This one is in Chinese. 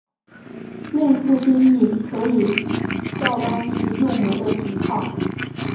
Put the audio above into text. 类似定义可以照搬至右模的情况。